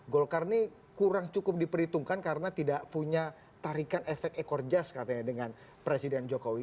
golkar ini kurang cukup diperhitungkan karena tidak punya tarikan efek ekor jas katanya dengan presiden jokowi